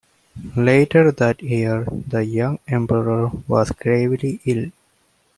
Later that year, the young emperor was gravely ill.